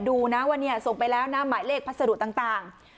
ดูนะว่าเนี่ยส่งไปแล้วนะหมายเลขพัสดุต่าง